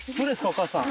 お母さん。